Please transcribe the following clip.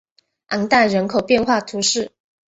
昂代人口变化图示